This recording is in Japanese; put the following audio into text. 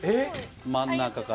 真ん中から。